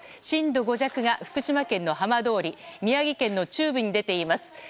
震度５弱が福島県の浜通り宮城県の中部に出ています。